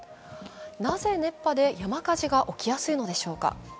なぜ、熱波で山火事が起きやすいのでしょうか。